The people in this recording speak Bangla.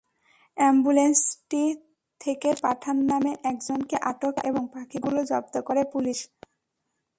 অ্যাম্বুলেন্সটি থেকে সোহেল পাঠান নামে একজনকে আটক এবং পাখিগুলো জব্দ করে পুলিশ।